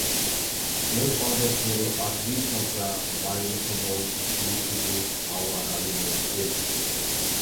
ئۆرپ-ئادەتلىرى ئاددىي-ساددا، بايلىقى مول، سۈيى سۈزۈك، ھاۋا رايى مۆتىدىل.